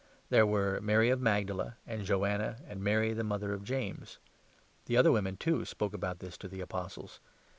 There were Mary of Magdala, and Joanna, and Mary, 10 the mother of James. The other women, too, spoke about this to the Apostles.